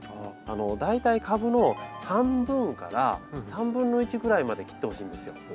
大体株の半分から３分の１ぐらいまで切ってほしいんですよ。